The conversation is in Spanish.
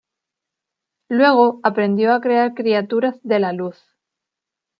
Luego aprendió a crear criaturas de la luz.